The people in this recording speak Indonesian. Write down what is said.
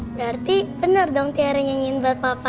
berarti benar dong tiara nyanyiin buat papa